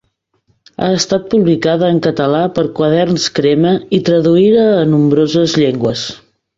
Ha estat publicada en català per Quaderns Crema i traduïda a nombroses llengües.